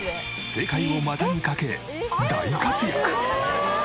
世界を股に掛け大活躍。